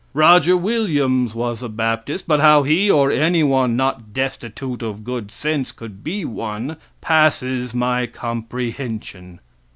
Roger Williams was a baptist, but how he, or anyone not destitute of good sense, could be one, passes my comprehension.